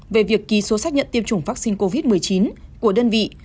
về việc ký số xác nhận tiêm chủng vaccine covid một mươi chín của đơn vị